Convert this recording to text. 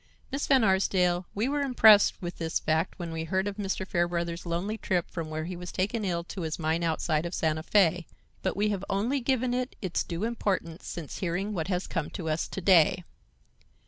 Miss Van Arsdale, we were impressed with this fact when we heard of Mr. Fairbrother's lonely trip from where he was taken ill to his mine outside of Santa Fe; but we have only given it its due importance since hearing what has come to us to day.